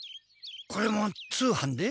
これも通販で？